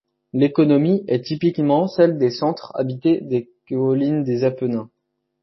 L'économie est typiquement celle des centres habités des collines des Apennins.